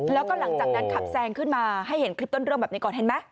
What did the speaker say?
แล้วก็หลังจากนั้นขับแซงขึ้นมาให้เห็นคลิปต้นเรื่องแบบนี้ก่อนเห็นไหม